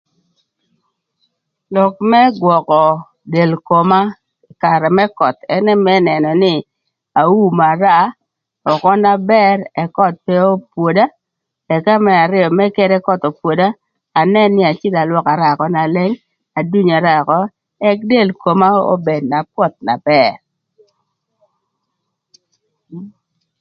Lok më gwökö del koma ï karë më köth ënë më nënö nï, aumara ökö na bër ëk köth pe opwoda ëka më arïö mërë kede köth opwoda, anën nï acïdhö alwökara ökö na leng, adunyara ökö, ëk del koma obed na pwöth na bër.